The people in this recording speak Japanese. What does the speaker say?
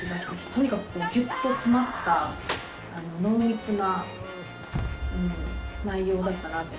とにかくギュっと詰まった濃密な内容だったなと。